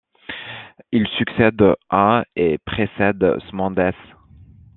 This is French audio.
Il succède à et précède Smendès.